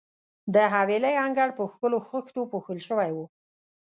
د حویلۍ انګړ په ښکلو خښتو پوښل شوی وو.